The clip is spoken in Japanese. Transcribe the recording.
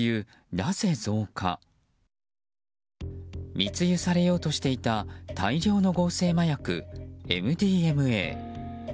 密輸されようとしていた大量の合成麻薬・ＭＤＭＡ。